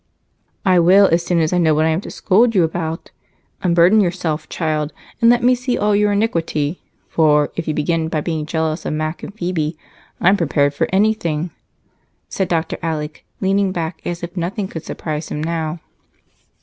"I will as soon as I know what I am to scold about. Unburden yourself, child, and let me see all your iniquity, for if you begin by being jealous of Mac and Phebe, I'm prepared for anything," said Dr. Alec, leaning back as if nothing could surprise him now.